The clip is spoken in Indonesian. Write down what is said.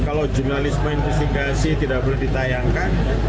kalau jurnalisme investigasi tidak boleh ditayangkan